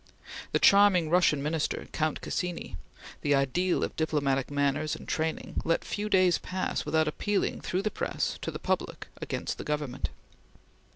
The charming Russian Minister, Count Cassini, the ideal of diplomatic manners and training, let few days pass without appealing through the press to the public against the government.